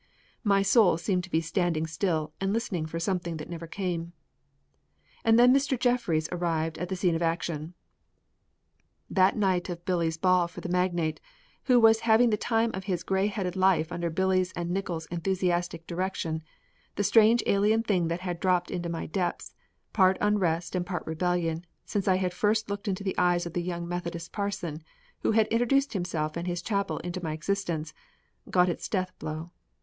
My soul seemed to be standing still and listening for something that never came. And then Mr. Jeffries arrived on the scene of action. That night of Billy's ball for the magnate, who was having the time of his gray headed life under Billy's and Nickols' enthusiastic direction, the strange alien thing that had been developed in my depths, part unrest and part rebellion, since I had first looked into the eyes of the young Methodist parson, who had intruded himself and his chapel into my existence, got its death blow.